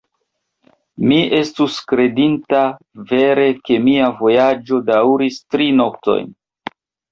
Mi estus kredinta, vere, ke mia vojaĝo daŭris tri noktojn.